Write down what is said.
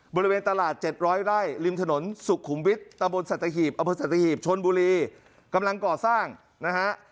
บริเวณตลาด๗๐๐ไร่ริมถนนสุขุมวิทย์ตะบนสัตหีบอำเภอสัตหีบชนบุรีกำลังก่อสร้างนะฮะ